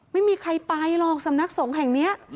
ไม่มีใครไปหรอกสำนักสงฆ์แห่งนี้